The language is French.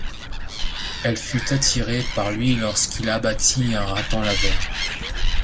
Elle fut attirée par lui lorsqu'il abattit un raton laveur.